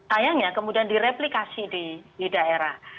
sayangnya kemudian direplikasi di daerah